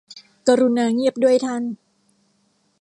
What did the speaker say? กรุณาเงียบด้วยท่าน